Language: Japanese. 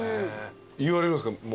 言われるんすか？